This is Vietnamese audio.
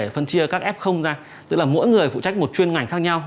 f ra tức là mỗi người phụ trách một chuyên ngành khác nhau